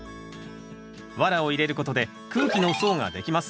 ワラを入れることで空気の層ができます。